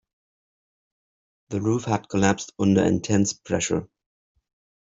The roof had collapsed under intense pressure.